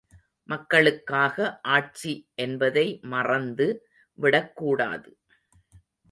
மக்களுக்காக ஆட்சி என்பதை மறந்து விடக்கூடாது.